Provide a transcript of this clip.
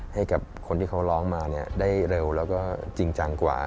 ให้กับคนที่เขาร้องมาได้เร็วแล้วก็จริงจังกว่า